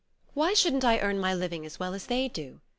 "Why shouldn't I earn my living as well as they do?"